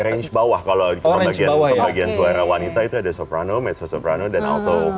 range bawah kalau bagian suara wanita itu ada soprano mezzo soprano dan alto